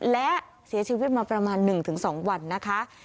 และเสียชีวิตมาประมาณ๑๒วันนะคะ